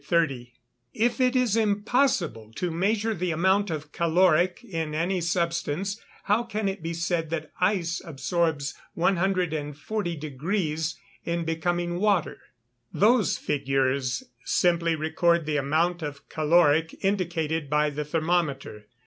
If it is impossible to measure the amount of caloric in any substance, how can it be said that ice absorbs 140 deg. in becoming water? Those figures simply record the amount of calorie indicated by the thermometer.